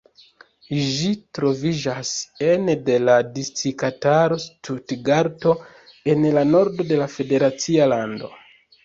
Ĝi troviĝas ene de la distriktaro Stutgarto, en la nordo de la federacia lando.